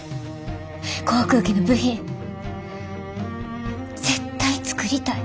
航空機の部品絶対作りたい。